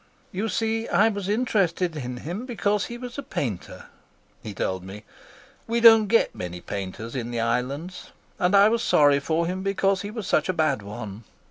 "You see, I was interested in him because he was a painter," he told me. "We don't get many painters in the islands, and I was sorry for him because he was such a bad one.